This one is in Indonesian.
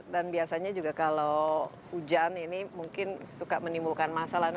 dan biasanya juga kalau hujan ini mungkin suka menimbulkan masalah